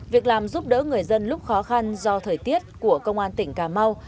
việc làm giúp đỡ người dân lúc khó khăn do thời tiết của công an tỉnh cà mau